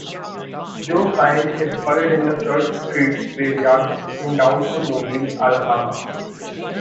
Joe Cain is buried in the Church Street Graveyard in downtown Mobile, Alabama.